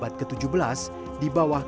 di bawah kepemimpinan islam di indonesia